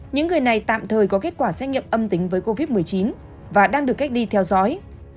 những người này tạm thời có kết quả xét nghiệm âm tính với covid một mươi chín và đang được cách ly theo dõi